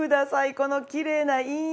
このきれいな印影。